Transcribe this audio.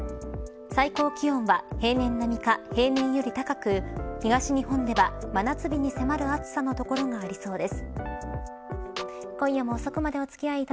最高気温は平年並みか平年より高く東日本では真夏日に迫る暑さの所がありそうです。